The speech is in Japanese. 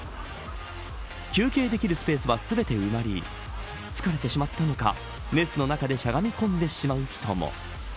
休憩できるスペースは全て埋まり疲れてしまったのか列の中でしゃがみ込んでしまう人も。